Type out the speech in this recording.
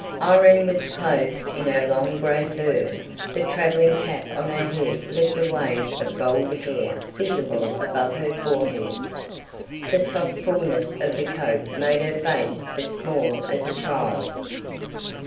Irene was clothed in her long grey fur; the travelling cap on her head left a wave of gold hair visible above her forehead. The soft fullness of the coat made her face as small as a child's.